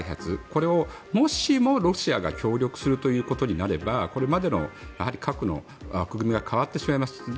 これを、もしもロシアが協力するということになればこれまでの核の枠組みが変わってしまいます。